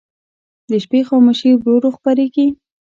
د شپې خاموشي ورو ورو خپرېږي.